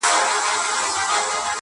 درته ایښي د څپلیو دي رنګونه-!